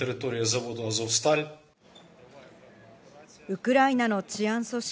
ウクライナの治安組織